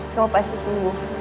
kamu pasti sembuh